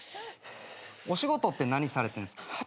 お仕事って何されてんすか？